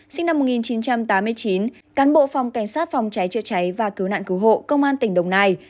sinh năm một nghìn chín trăm tám mươi chín cán bộ phòng cảnh sát phòng cháy chữa cháy và cứu nạn cứu hộ công an tỉnh đồng nai